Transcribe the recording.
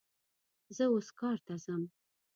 زه اوس کار ته ځم